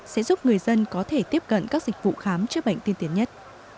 sẽ giúp người dân có thể tiếp cận các dịch vụ khám chữa bệnh tiên tiến nhất